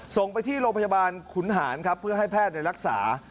ส่งไปที่โรงพยาบาลขุนหารครับเพื่อให้แพทย์รักษา